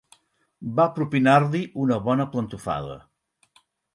Va propinar-li una bona plantofada.